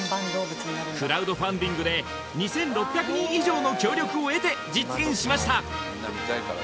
クラウドファンディングで２６００人以上の協力を得て実現しました